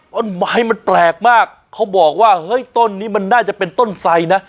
ต้นไม้มันแปลกมากเขาบอกว่าเฮ้ยต้นนี้มันน่าจะเป็นต้นไสนะ